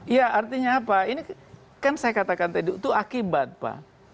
ya artinya apa ini kan saya katakan tadi itu akibat pak